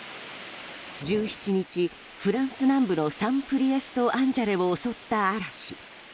１７日、フランス南部のサン・プリエスト・アン・ジャレを襲った嵐。